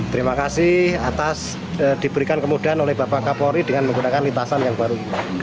terima kasih atas diberikan kemudahan oleh bapak kapolri dengan menggunakan lipasan yang baru